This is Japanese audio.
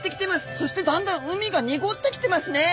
そしてだんだん海が濁ってきてますねえ！